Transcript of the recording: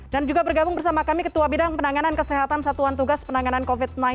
dan juga bergabung bersama kami ketua bidang penanganan kesehatan satuan tugas penanganan covid sembilan belas